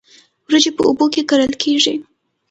وریجې په اوبو کې کرل کیږي